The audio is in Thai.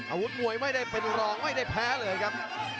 อาวุธมวยไม่ได้เป็นรองไม่ได้แพ้เลยครับ